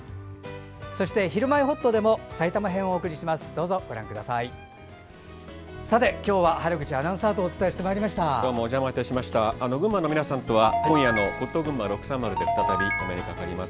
そして「ひるまえほっと」でも埼玉編をお送りします。